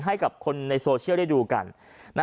ให้กับคนในโซเชียลได้ดูกัน